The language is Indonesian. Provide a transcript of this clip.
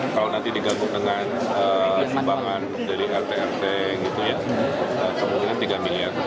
kalau nanti diganggu dengan kembangan dari rt rt kemungkinan tiga miliar